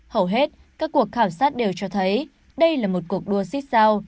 hầu hết các cuộc khảo sát đều cho thấy đây là một cuộc đua xích sao